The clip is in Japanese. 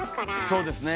そうですね。